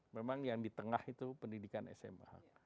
memang yang di tengah itu pendidikan sma